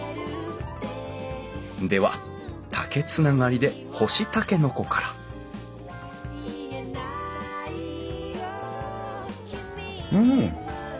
では竹つながりで干しタケノコからうん！